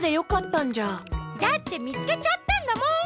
だってみつけちゃったんだもん。